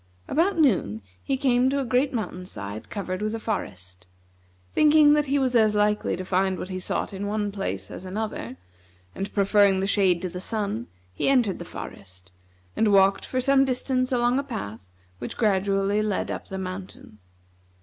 About noon he came to a great mountain side covered with a forest. Thinking that he was as likely to find what he sought in one place as another, and preferring the shade to the sun, he entered the forest, and walked for some distance along a path which gradually led up the mountain.